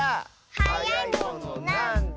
「はやいものなんだ？」